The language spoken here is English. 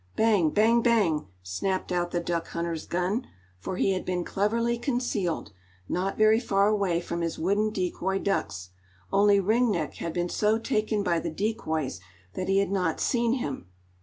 "Bang, bang, bang" snapped out the duck hunter's gun, for he had been cleverly concealed, not very far away from his wooden decoy ducks, only Ring Neck had been so taken by the decoys that he had not seen him.